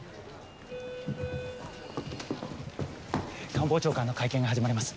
官房長官の会見が始まります。